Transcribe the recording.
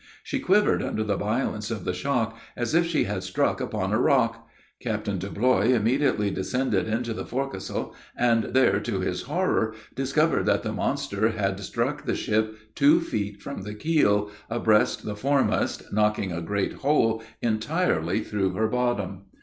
She quivered under the violence of the shock, as if she had struck upon a rock! Captain Deblois immediately descended into the forecastle, and there, to his horror, discovered that the monster had struck the ship two feet from the keel, abreast the foremast, knocking a great hole entirely through her bottom.